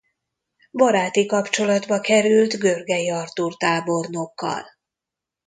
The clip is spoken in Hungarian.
Baráti kapcsolatba került Görgei Artúr tábornokkal.